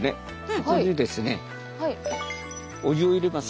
ここにですねお湯を入れます。